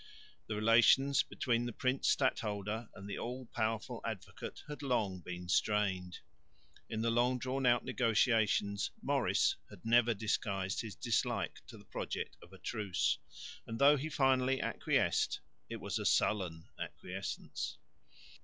The relations between the Prince stadholder and the all powerful Advocate had long been strained. In the long drawn out negotiations Maurice had never disguised his dislike to the project of a truce, and, though he finally acquiesced, it was a sullen acquiescence.